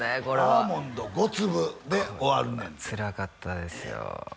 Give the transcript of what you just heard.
これはアーモンド５粒で終わるねんてこれはつらかったですよ